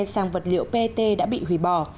sang vật liệu pet đã bị hủy bỏ